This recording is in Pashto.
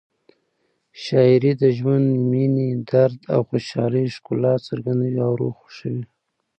شاعري د ژوند، مینې، درد او خوشحالۍ ښکلا څرګندوي او روح خوښوي.